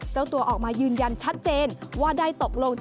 เจ้าตัวออกมายืนยันชัดเจนว่าได้ตกลงจะ